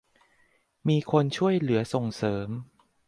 มีคนช่วยเหลือส่งเสริม